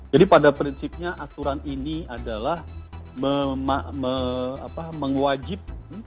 jadi pada prinsipnya aturan ini adalah mengwajib